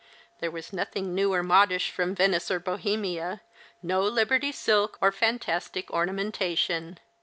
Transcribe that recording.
There was nothing new or modish from Venice or Bohemia, no Liberty silk or fantastic ornamentation.